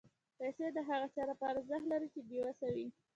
پېسې د هغه چا لپاره ارزښت لري چې بېوسه وي.